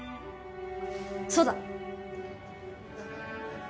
そうだ。